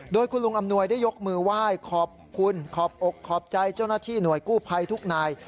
โดยคุณลุงอำนวยได้ยกมือไหว้ขอบคุณขอบอกขอบใจเจ้าหน้าที่หน่วยกู้ภัยทุกนาย